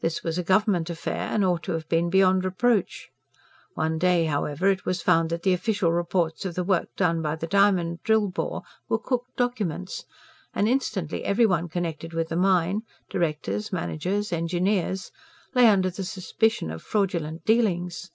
This was a government affair and ought to have been beyond reproach. One day, however, it was found that the official reports of the work done by the diamond drill bore were cooked documents; and instantly every one connected with the mine directors, managers, engineers lay under the suspicion of fraudulent dealings.